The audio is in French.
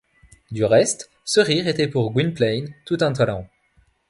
Du reste ce rire était pour Gwynplaine tout un talent.